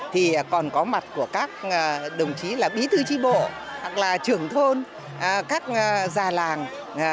thì còn có mặt của các đồng chí là bí thư tri bộ trưởng thôn các già làng